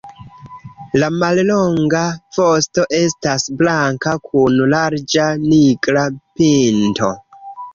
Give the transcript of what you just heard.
La mallonga vosto estas blanka kun larĝa nigra pinto.